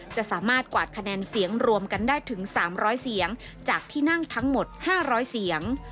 จะสามารถกวาดคะแนนเสียงรวมกันได้ถึง๓๐๐เสียงจากที่นั่งทั้งหมด๕๐๐เสียง